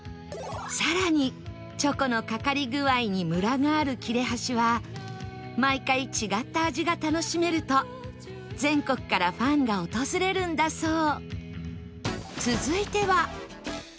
更にチョコのかかり具合にムラがある切れ端は毎回違った味が楽しめると全国からファンが訪れるんだそう